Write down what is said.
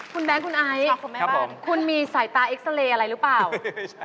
คุณแบงค์คุณไอท์คุณมีสายตาเอ็กซ์เรย์อะไรหรือเปล่าคุณแบงค์คุณไอท์คุณแบงค์คุณแบงค์